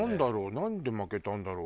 なんで負けたんだろう。